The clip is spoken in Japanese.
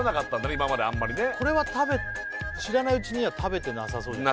今まであんまりねこれは知らないうちには食べてなさそうじゃない？